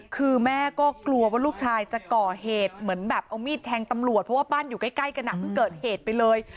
คือแม่ก็กลัวว่าลูกชายจะก่อเหตุเหมือนแบบเอามีดแทงตำรวจเพราะว่าบ้านอยู่ใกล้กันอ่ะเพิ่งเกิดเหตุไปเลย